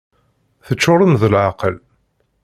Teččurem d leεqel!